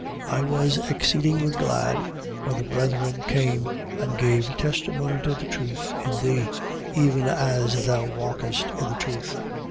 1:3. I was exceedingly glad when the brethren came and gave testimony to the truth in thee, even as thou walkest in the truth.